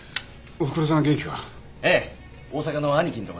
おふくろさん元気か？